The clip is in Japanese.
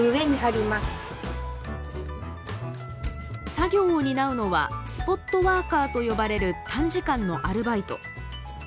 作業を担うのはスポットワーカーと呼ばれる短時間のアルバイト。